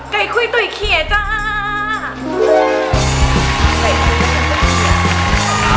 ไก่คุยตุ๋ยเขียจ้า